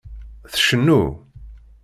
Tcennu?